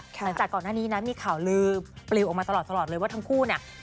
หลังจากก่อนหน้านี้นะมีข่าวลือปลิวออกมาตลอดเลยว่าทั้งคู่เนี่ย